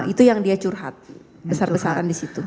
itu yang dia curhat besar besaran disitu